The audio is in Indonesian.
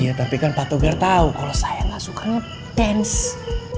ya tapi kan pak togar tahu kalau saya nggak suka bench